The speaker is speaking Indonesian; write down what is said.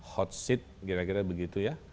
hot seat kira kira begitu ya